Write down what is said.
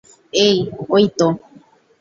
এই, ওইতো।